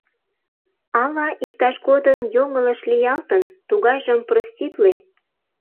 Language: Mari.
Ала иктаж годым йоҥылыш лиялтын, тугайжым проститле.